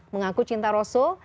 mengaku cinta rosul